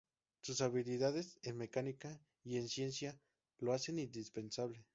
Sus habilidades en mecánica y en ciencia lo hacen indispensable.